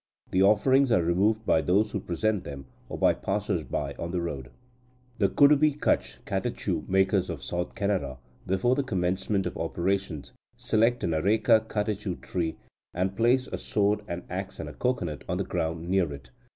The offerings are removed by those who present them, or by passers by on the road. The Kudubi cutch (catechu) makers of South Canara, before the commencement of operations, select an Areca Catechu tree, and place a sword, an axe, and a cocoanut on the ground near it.